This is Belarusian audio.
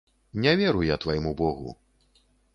Не веру я твайму богу.